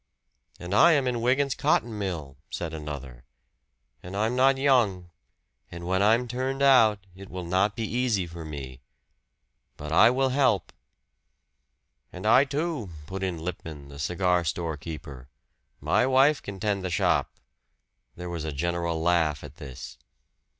"And I am in Wygant's cotton mill," said another. "And I'm not young, and when I'm turned out, it will not be easy for me. But I will help." "And I, too," put in Lippman, the cigar store keeper; "my wife can tend the shop!" There was a general laugh at this.